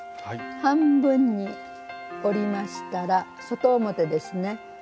半分に折りましたら外表ですね。